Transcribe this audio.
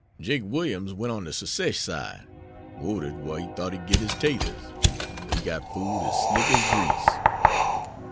Jake Williams went on de Secesh side, woted whar he thought he'd git his taters, but he got fooled es slick es greese."